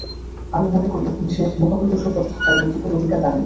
আমি মনে করি, পুলিশের মহাপরিদর্শক পদে থাকার নৈতিক কোনো অধিকার তাঁর নেই।